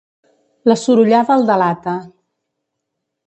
La sorollada el delata.